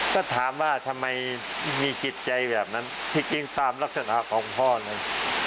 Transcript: ก็ถามว่าทำไมมีจิตใจแบบนั้นที่จริงตามลักษณะของพ่อเลย